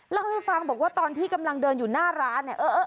เล่าให้ฟังบอกว่าตอนที่กำลังเดินอยู่หน้าร้านเนี่ย